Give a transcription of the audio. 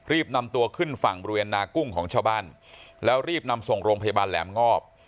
รีบนำตัวขึ้นฝั่งบริเวณนากุ้งของชาวบ้านแล้วรีบนำส่งโรงพยาบาลแหลมงอบ